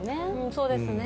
そうですね。